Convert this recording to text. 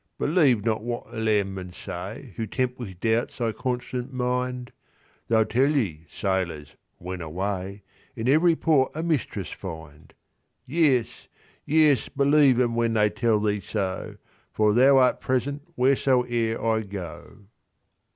'Believe not what the landmen sayWho tempt with doubts thy constant mind:They'll tell thee, sailors, when away, In every port a mistress find:Yes, yes, believe them when they tell thee so, For Thou art present wheresoe'er I go.